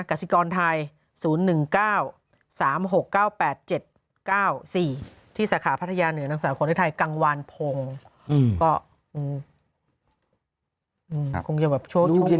กสิกรไทย๐๑๙๓๖๙๘๗๙๔ที่สาขาพัทยาเหนือนางสาวขวัญฤทัยกังวาลพงษ์